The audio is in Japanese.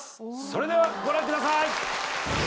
それではご覧ください